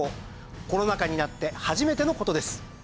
コロナ禍になって初めての事です。